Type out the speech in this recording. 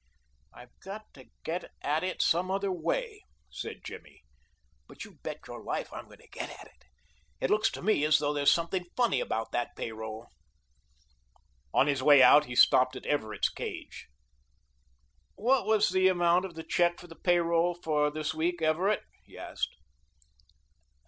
"I've got to get at it some other way," said Jimmy, "but you bet your life I'm going to get at it. It looks to me as though there's something funny about that pay roll." On his way out he stopped at Everett's cage. "What was the amount of the check for the pay roll for this week, Everett?" he asked.